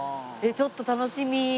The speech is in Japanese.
ちょっと楽しみ。